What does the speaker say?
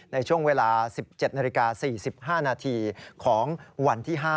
ในช่วงเวลา๑๗นาฬิกา๔๕นาทีของวันที่๕